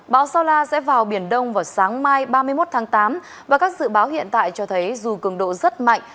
bão sao la sẽ vào biển đông vào sáng mai ba mươi một tháng tám và các dự báo hiện tại cho thấy dù cường độ rất mạnh